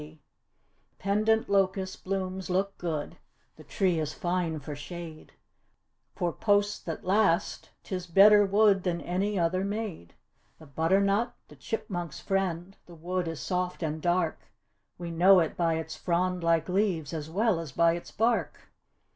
The pendant locust blooms look good; the tree is fine for shade; For posts that last 'tis better wood than any other made. The butternut, the chip munks' friend, the wood is soft and dark; We know it by its frond like leaves as well as by its bark.